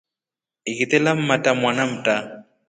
Ikite lammatra mwana mta.